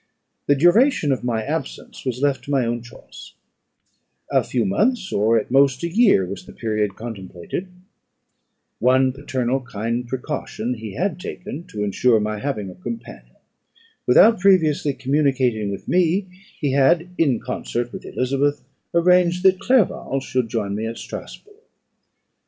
The duration of my absence was left to my own choice; a few months, or at most a year, was the period contemplated. One paternal kind precaution he had taken to ensure my having a companion. Without previously communicating with me, he had, in concert with Elizabeth, arranged that Clerval should join me at Strasburgh.